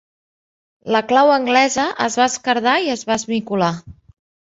La clau anglesa es va esquerdar i es va esmicolar.